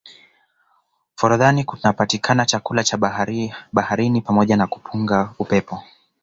forodhani kunapatikana chakula cha baharini pamoja na kupunga upepo